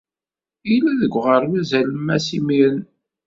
Yella deg uɣerbaz alemmas imiren.